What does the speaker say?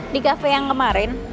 di cafe yang kemarin